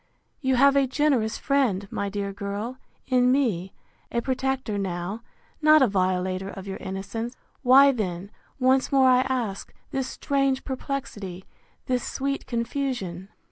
You have a generous friend, my dear girl, in me; a protector now, not a violator of your innocence: Why then, once more I ask, this strange perplexity, this sweet confusion?